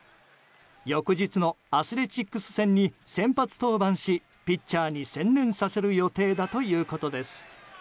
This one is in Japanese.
翌日のアスレチックス戦に先発登板しピッチャーに専念させる予定だということです。